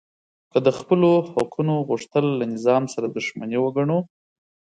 که د خپلو حقونو غوښتل له نظام سره دښمني وګڼو